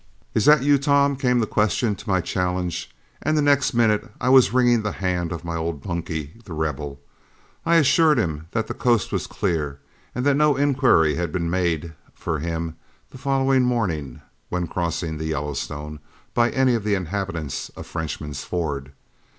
"Is that you, Tom?" came the question to my challenge, and the next minute I was wringing the hand of my old bunkie, The Rebel. I assured him that the coast was clear, and that no inquiry had been even made for him the following morning, when crossing the Yellowstone, by any of the inhabitants of Frenchman's Ford.